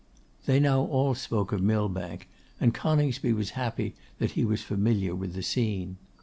They now all spoke of Millbank, and Coningsby was happy that he was familiar with the scene.